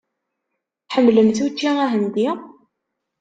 Tḥemmlemt učči ahendi?